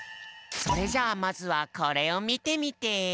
それじゃあまずはこれをみてみて！